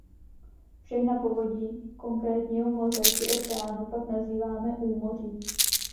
Všechna povodí konkrétního moře či oceánu pak nazýváme úmoří.